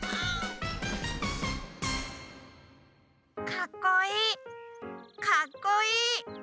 かっこいいかっこいい！